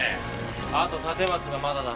あと立松がまだだ。